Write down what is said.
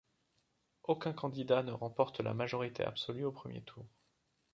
Aucun candidat ne remporte la majorité absolue au premier tour.